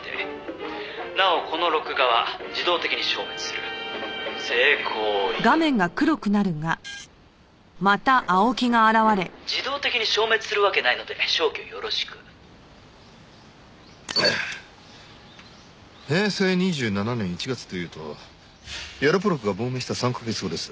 「なおこの録画は自動的に消滅する」「成功を祈る」「自動的に消滅するわけないので消去よろしく」平成２７年１月というとヤロポロクが亡命した３カ月後です。